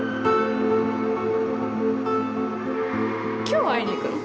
今日会いに行くの？